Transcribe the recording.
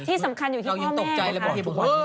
ที่สำคัญอยู่ที่พ่อแม่